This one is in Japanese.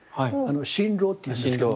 「身廊」って言うんですけど。